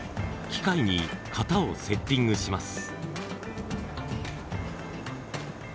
機械に型をセッティングします。